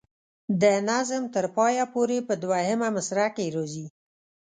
د نظم تر پایه پورې په دوهمه مصره کې راځي.